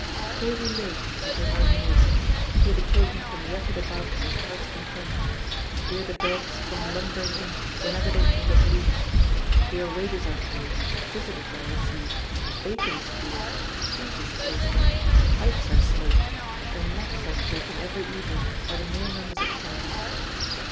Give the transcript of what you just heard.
Here we live and take our meals; here the children can racket about to their hearts' content; here the dogs come lumbering in, whenever they can get loose; here wages are paid, visitors are received, bacon is cured, cheese is tasted, pipes are smoked, and naps are taken every evening by the male members of the family.